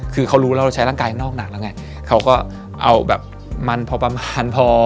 คือเขารู้แล้วเราใช้ร่างกายนอกหนักแล้วไงเขาก็เอาแบบมันพอประมาณพอ